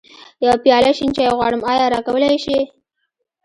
يوه پياله شين چای غواړم، ايا راکولی يې شې؟